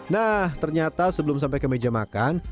nah ternyata sebelum sampai ke meja makan